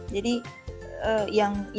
jadi yang wealth and money